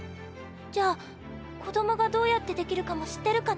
じゃあ子どもがどうやってできるかも知ってるかな？